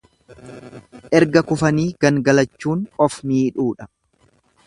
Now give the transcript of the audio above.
Erga kufanii gangalachuun of miidhuudha.